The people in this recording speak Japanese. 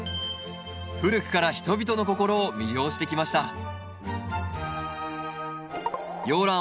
古くから人々の心を魅了してきました。